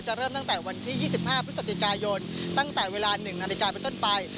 จะเริ่มตั้งแต่วันที่๒๕พฤษฎิกายนตั้งแต่เวลา๐๑๐๐นไปต้นไป